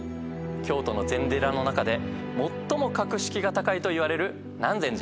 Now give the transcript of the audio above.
京都の禅寺の中で最も格式が高いといわれる。